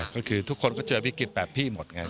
ก็คือทุกคนก็เจอวิกฤตแบบพี่หมดไง